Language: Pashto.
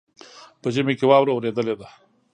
په ژمي کې واوره اوریدلې ده.